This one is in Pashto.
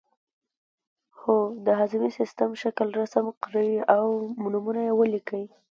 هو د هاضمې د سیستم شکل رسم کړئ او نومونه یې ولیکئ